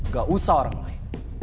gak usah orang lain